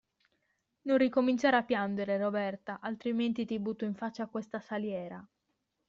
Non ricominciare a piangere, Roberta, altrimenti ti butto in faccia questa saliera.